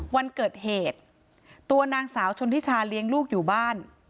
วันเกิดเหตุตัวนางสาวชนทิชาเลี้ยงลูกอยู่บ้าน